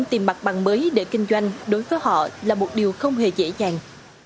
tìm mặt bằng mới để kinh doanh đối với họ là một điều không hề dễ dàng